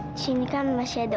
di sini kan masih ada